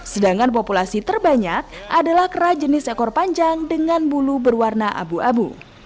sedangkan populasi terbanyak adalah kera jenis ekor panjang dengan bulu berwarna abu abu